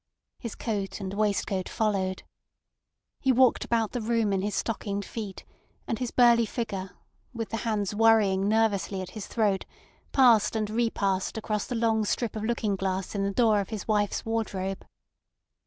His coat and waistcoat followed. He walked about the room in his stockinged feet, and his burly figure, with the hands worrying nervously at his throat, passed and repassed across the long strip of looking glass in the door of his wife's wardrobe.